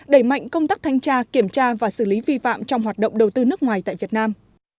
đẩy mạnh công tác thanh tra kiểm tra và xử lý vi phạm trong hoạt động đầu tư nước ngoài tại việt nam